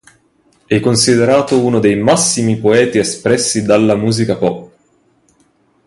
È considerato uno dei massimi poeti espressi dalla musica pop.